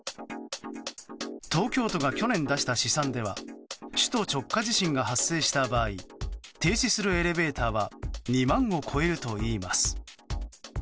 東京都が去年出した試算では首都直下地震が発生した場合停止するエレベーターは２万を超えるといいます。